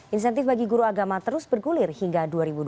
insentif bagi guru agama terus bergulir hingga dua ribu dua puluh